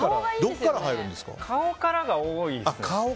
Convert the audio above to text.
顔からが多いですね。